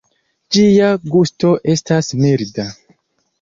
Ĝia gusto estas milda.